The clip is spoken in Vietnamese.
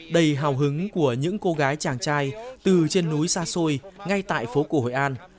đầy hào hứng của những cô gái chàng trai từ trên núi xa xôi ngay tại phố cổ hội an